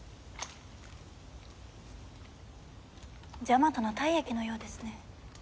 ジャマトの体液のようですね。